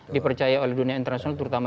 dipercaya oleh dunia internasional terutama